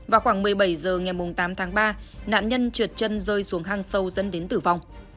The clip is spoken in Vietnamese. vào khoảng một mươi bảy h ngày tám tháng ba nạn nhân trượt chân rơi xuống hang sâu dẫn đến tử vong